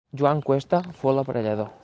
Joan Cuesta fou l'aparellador.